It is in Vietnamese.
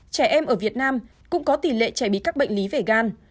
trẻ em ở việt nam cũng có tỷ lệ trẻ bị các bệnh lý về gan